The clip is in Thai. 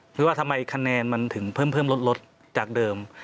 ที่ว่าทำไมคะแนนมันถึงเพิ่มลดจากเดิม